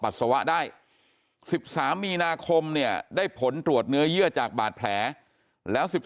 สวะได้๑๓มีนาคมเนี่ยได้ผลตรวจเนื้อเยื่อจากบาดแผลแล้ว๑๒